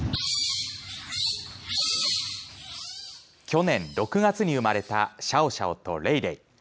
去年６月に生まれたシャオシャオとレイレイ。